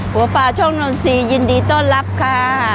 ป่าช่องนนทรีย์ยินดีต้อนรับค่ะ